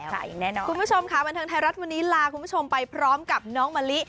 แน่นอนคุณผู้ชมค่ะบันเทิงไทยรัฐวันนี้ลาคุณผู้ชมไปพร้อมกับน้องมะลิ